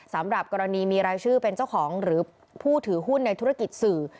สำหรับกรณีมีรายชื่อเป็นเจ้าของหรือผู้ถือหุ้นในธุรกิจสื่อ